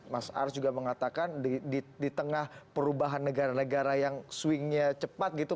mas ars juga mengatakan di tengah perubahan negara negara yang swingnya cepat gitu